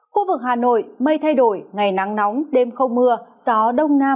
khu vực hà nội mây thay đổi ngày nắng nóng đêm không mưa